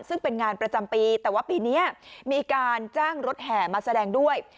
ซึ่งเป็นงานประจำปีแต่ว่าปีนี้มีการจ้างรถแห่มาแสดงด้วย